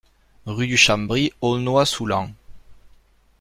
Rue de Chambry, Aulnois-sous-Laon